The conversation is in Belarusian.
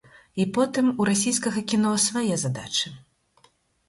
І потым, у расійскага кіно свае задачы.